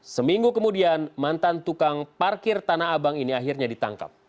seminggu kemudian mantan tukang parkir tanah abang ini akhirnya ditangkap